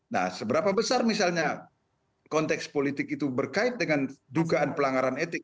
nah seberapa besar misalnya konteks politik itu berkait dengan dugaan pelanggaran etik